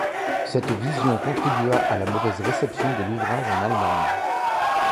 Cette vision contribua à la mauvaise réception de l’ouvrage en Allemagne.